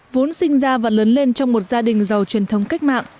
vốn sinh ra và lớn lên trong một gia đình giàu truyền thống cách mạng